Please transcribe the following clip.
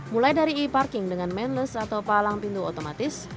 mulai dari e parking dengan mainless atau palang pintu otomatis